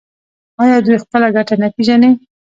آیا دوی خپله ګټه نه پیژني؟